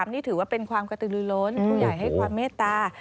นี่ถือว่าเป็นความกระตือลือล้นผู้ใหญ่ให้ความเมตตา